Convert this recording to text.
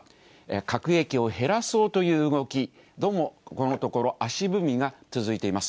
核兵器を減らそうという動き、どうもこのところ、足踏みが続いています。